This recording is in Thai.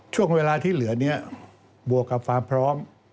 ช่วงเวลาที่เหลือเนี่ยบัวกลับฟ้าพร้อม